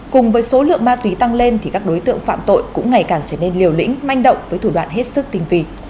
cùng với số lượng ma túy tăng lên thì các đối tượng phạm tội cũng ngày càng trở nên liều lĩnh manh động với thủ đoạn hết sức tinh vi